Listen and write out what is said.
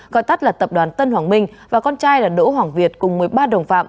gọi tắt là tập đoàn tân hoàng minh và con trai là đỗ hoàng việt cùng một mươi ba đồng phạm